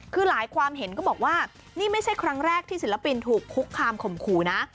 คือหลายความเห็นก็บอกว่านี่ไม่ใช่ครั้งแรกที่ศิลปินถูกคุกคามข่มขู่นะ